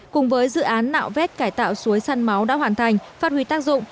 cùng với dự án nạo vét cải tạo suối săn máu đã hoàn thành phát huy tác dụng